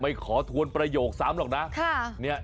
ขอทวนประโยคซ้ำหรอกนะ